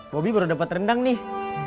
bobi baru dapat rendang nih